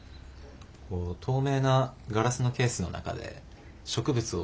こう透明なガラスのケースの中で植物を。